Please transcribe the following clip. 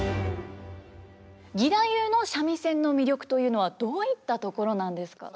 義太夫の三味線の魅力というのはどういったところなんですか？